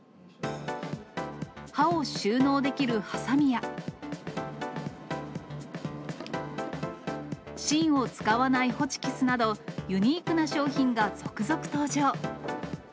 刃を収納できるハサミや、芯を使わないホチキスなど、ユニークな商品が続々登場。